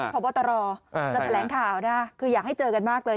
จะแต่แหลงข่าวนะครับคืออยากให้เจอกันมากเลย